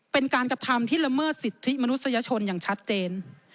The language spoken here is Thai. เป็นการกระทำที่ละเมิดสิทธิมนุษยชนอย่างชัดเจน